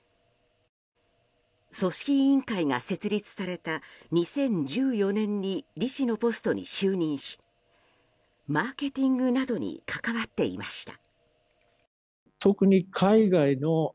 組織委員会が設立された２０１４年に理事のポストに就任しマーケティングなどに関わっていました。